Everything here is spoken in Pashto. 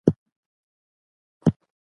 د پرمختګ زمینه برابرول د ماشومانو دنده ده.